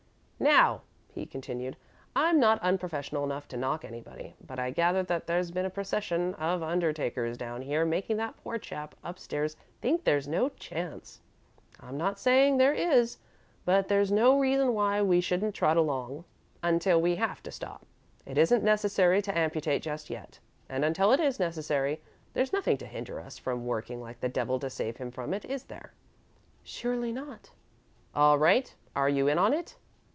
"Now," he continued, "I'm not unprofessional enough to knock anybody, but I gather that there's been a procession of undertakers down here making that poor chap upstairs think there's no chance. I'm not saying that there is, but there's no reason why we shouldn't trot along until we have to stop. It isn't necessary to amputate just yet, and until it is necessary, there's nothing to hinder us from working like the devil to save him from it, is there?" "Surely not." "All right. Are you in on it?"